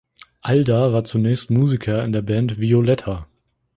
Alder war zunächst Musiker in der Band "Violetta".